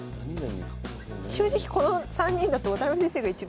正直この３人だと渡辺先生が一番。